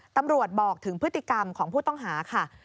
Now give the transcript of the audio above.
ตำรวจบอกถึงพฤติกรรมของผู้ต้องหาค่ะ